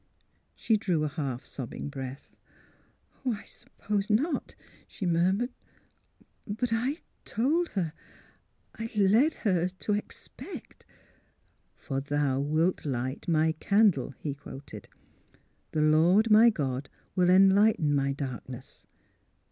" She drew a half sobbing breath. " I — I suppose not," she murmured. '' But I told her — I led her to expect "<'' For Thou wilt light my candle,' " he quoted, THE CONFESSION 245 *'^ The Lord my God will enlighten my dark ness.'